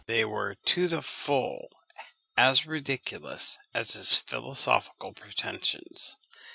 They were to the full as ridiculous as his philosophical pretensions.